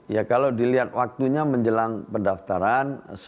ya kalau dilihat waktunya menjelang pendaftaran